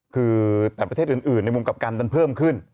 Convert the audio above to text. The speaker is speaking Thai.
คือแต่ประเทศอื่นในมุมกลับกันนั้นเพิ่มขึ้น